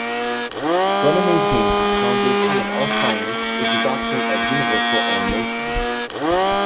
Brunner maintains that the foundation of all science is the doctrine of universal all-motion.